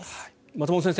松本先生